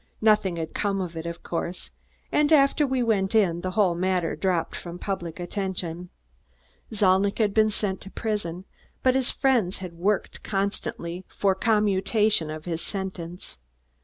Nothing had come of it, of course, and after we went in, the whole matter dropped from public attention. Zalnitch had been sent to prison, but his friends had worked constantly for commutation of his sentence.